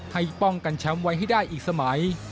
ให้ป้องกันแชมป์ไว้ให้ได้อีกสมัย